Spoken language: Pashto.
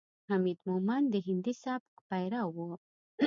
حمید مومند د هندي سبک پیرو ؤ.